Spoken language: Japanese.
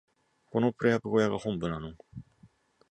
このプレハブ小屋が本部なの？